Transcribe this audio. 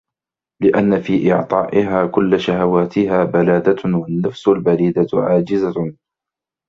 لِأَنَّ فِي إعْطَائِهَا كُلَّ شَهَوَاتِهَا بَلَادَةٌ وَالنَّفْسُ الْبَلِيدَةُ عَاجِزَةٌ